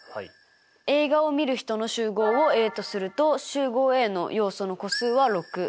映画をみる人の集合をＡとすると集合Ａの要素の個数は６。